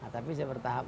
tapi saya bertahap